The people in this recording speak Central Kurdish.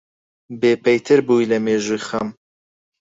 بێپەیتر بووی لە مێژووی خەم